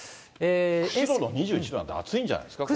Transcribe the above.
釧路の２１度なんて暑いんじゃないですか、これ。